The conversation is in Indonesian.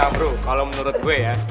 samp bro kalau menurut gue ya